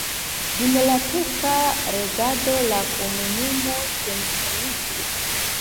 Dum la turka regado la komunumo senhomiĝis.